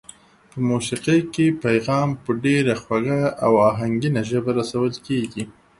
په موسېقۍ کې پیغام په ډېره خوږه او آهنګینه ژبه رسول کېږي.